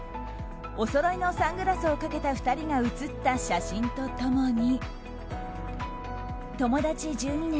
おそろいのサングラスをかけた２人が写った写真と共に。